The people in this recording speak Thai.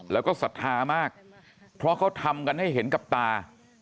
แล้วก็ศรัทธามากเพราะเขาทำกันให้เห็นกับตา